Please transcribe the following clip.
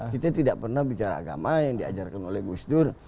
kita tidak pernah bicara agama yang diajarkan oleh gus dur